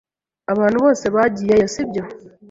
Abantu bose bagiyeyo, sibyo?